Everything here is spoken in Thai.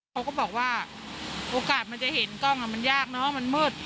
เขาก็บอกว่าโอกาสมันจะเห็นกล้องมันยากเนอะมันมืด